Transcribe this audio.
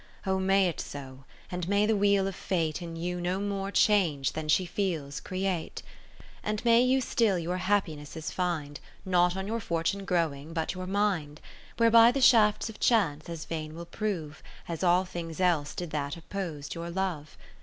O ! may it so, and may the Wheel of Fate, In you no more change than she feels, create ; And may you still your happinesses find. Not on your fortune growing, but your mind. Whereby the shafts of chance as vain will prove, As all things else did that oppos'd your Love.